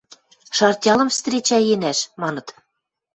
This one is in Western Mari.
– Шартялым встречӓенӓш, – маныт.